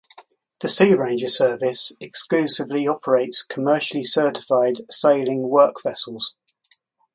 The Sea Ranger Service exclusively operates commercially certified sailing work vessels.